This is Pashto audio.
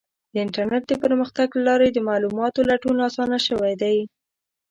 د انټرنیټ د پرمختګ له لارې د معلوماتو لټون اسانه شوی دی.